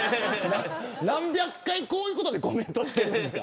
何百回こういうことでコメントしてるんですか。